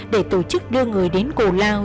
để tổ chức đưa người đến cô lao